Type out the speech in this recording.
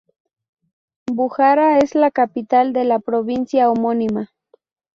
Bujará es la capital de la provincia homónima.